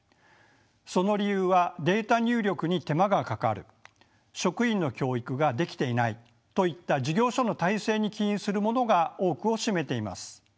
その理由は「データ入力に手間がかかる」「職員の教育ができていない」といった事業所の体制に起因するものが多くを占めています。